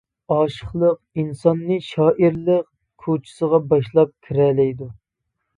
ئاشىقلىق ئىنساننى شائىرلىق كوچىسىغا باشلاپ كىرەلەيدۇ.